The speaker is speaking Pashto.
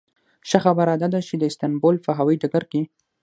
ښه خبره داده چې د استانبول په هوایي ډګر کې.